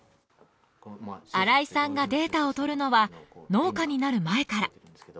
荒井さんがデータを取るのは農家になる前から。